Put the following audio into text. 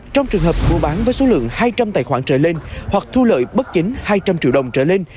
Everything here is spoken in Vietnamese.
trong trường hợp mua bán với số lượng hai trăm linh tài khoản trở lên hoặc thu lợi bất chính hai trăm linh triệu đồng trở lên